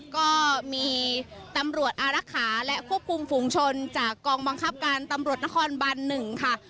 ก็มีตำรวจอารักษาและควบคุมฝูงชนจากกองบังคับการตำรวจนครบัน๑ค่ะ